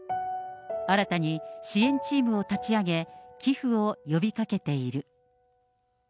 新たに支援チームを立ち上げ、寄付を呼びかけている。